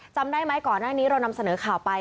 จำได้ไหมก่อนหน้านี้เรานำเสนอข่าวไป